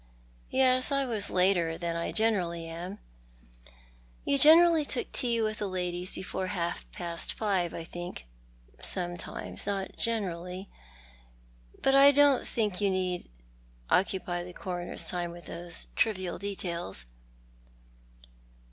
" Yes, I was later than I generally am." " You generally took tea with the ladies before half imst five, I think?" " Sometimes— not generally; but I don't think you need occupy the Coroner's time with these trivial details."